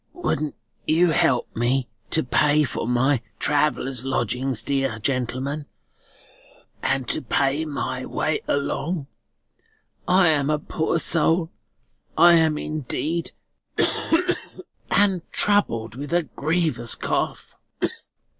"Wouldn't you help me to pay for my traveller's lodging, dear gentleman, and to pay my way along? I am a poor soul, I am indeed, and troubled with a grievous cough."